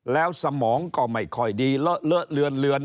แล้วสมองก็ไม่ค่อยดีเลอะเลอะเลือน